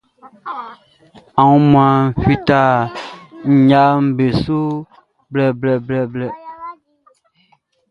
Aunmuanʼn fita nɲaʼm be su blɛblɛblɛ.